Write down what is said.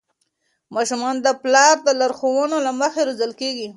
ماشومان د پلار د لارښوونو له مخې روزل کېږي.